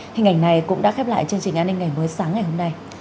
hình ảnh này cũng đã khép lại chương trình an ninh ngày mới sáng ngày hôm nay